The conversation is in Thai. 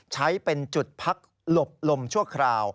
ใช้เป็นจุดพักหลบลมชั่วคราว